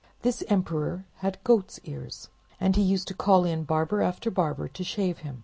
This emperor had goat's ears, and he used to call in barber after barber to shave him.